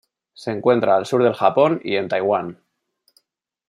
Se encuentra al sur del Japón y en Taiwán.